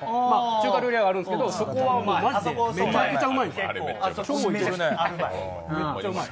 中華料理屋があるんですけどあそこがめちゃくちゃうまいです。